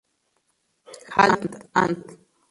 Hal., "Ant.